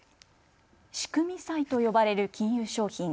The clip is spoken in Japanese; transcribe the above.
仕組み債と呼ばれる金融商品。